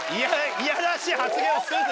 いやらしい発言をするな。